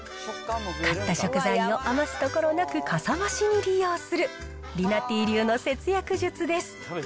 買った食材を余すところなくかさ増しに利用する、りなてぃ流の節約術です。